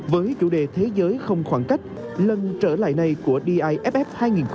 với chủ đề thế giới không khoảng cách lần trở lại này của d a f f hai nghìn hai mươi ba